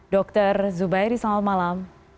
dr zubairi selamat malam